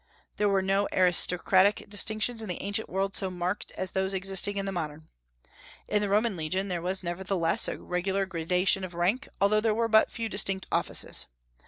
There were no aristocratic distinctions in the ancient world so marked as those existing in the modern. In the Roman legion there was nevertheless a regular gradation of rank, although there were but few distinct offices.